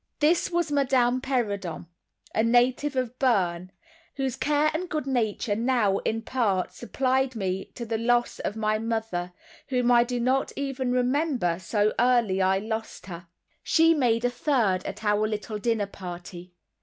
This was Madame Perrodon, a native of Berne, whose care and good nature now in part supplied to me the loss of my mother, whom I do not even remember, so early I lost her. She made a third at our little dinner party.